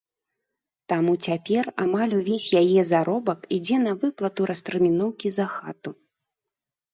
Таму цяпер амаль увесь яе заробак ідзе на выплату растэрміноўкі за хату.